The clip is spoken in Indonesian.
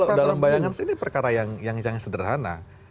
sebenarnya kalau dalam bayangan sih ini perkara yang sederhana